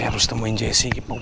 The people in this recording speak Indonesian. saya harus temuin jesse